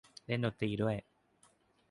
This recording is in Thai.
เล่นดนตรีด้วย